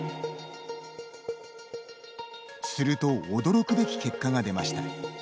すると驚くべき結果が出ました。